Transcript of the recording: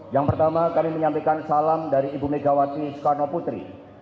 yang pertama kami menyampaikan salam dari ibu megawati soekarno putri